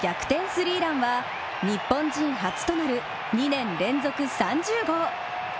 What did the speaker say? スリーランは日本人初となる２年連続３０号。